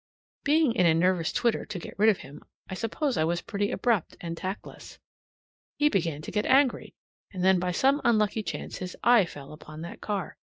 Being in a nervous twitter to get rid of him, I suppose I was pretty abrupt and tactless. He began to get angry, and then by some unlucky chance his eye fell on that car.